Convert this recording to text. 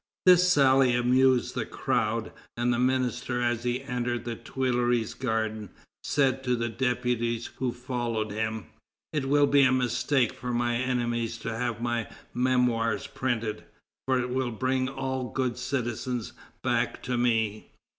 This sally amused the crowd, and the minister as he entered the Tuileries garden, said to the deputies who followed him: "It will be a mistake for my enemies to have my memoir printed, for it will bring all good citizens back to me.